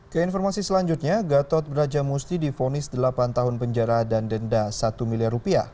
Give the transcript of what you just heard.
keinformasi selanjutnya gatot brajamusti difonis delapan tahun penjara dan denda rp satu miliar rupiah